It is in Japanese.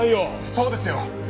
そうですよ！